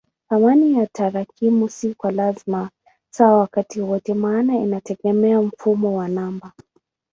Thamani ya tarakimu si kwa lazima sawa wakati wowote maana inategemea mfumo wa namba.